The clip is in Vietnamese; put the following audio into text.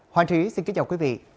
hoàng trí xin kính chào quý vị